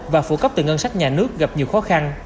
và phụ cấp từ ngân sách nhà nước gặp nhiều khó khăn